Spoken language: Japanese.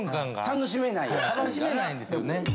楽しめないんですよね。